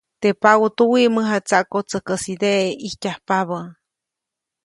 Teʼ paʼutuwi mäjatsaʼkotsäjkäsideʼe ʼijtyajpabä.